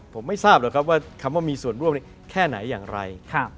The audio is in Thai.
ผมไม่ทราบหรอกครับว่าคำว่ามีส่วนร่วมแค่ไหนอย่างไร